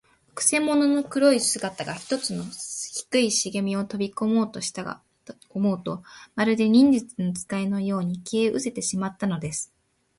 くせ者の黒い姿が、ひとつの低いしげみをとびこしたかと思うと、まるで、忍術使いのように、消えうせてしまったのです。